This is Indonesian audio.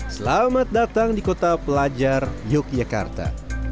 selamat datang di kota pelajar yogyakarta